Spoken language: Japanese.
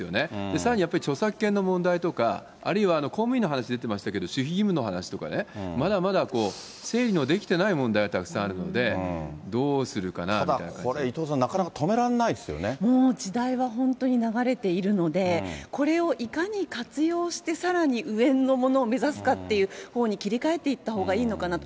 さらにやっぱり著作権の問題とか、あるいは公務員の話出てましたけど、守秘義務の話とかね、まだまだ整理のできてない問題がたくさんあるので、ただこれ、伊藤さん、もう時代は本当に流れているので、これをいかに活用して、さらに上のものを目指すかっていうものに切り替えていったほうがいいのかなと。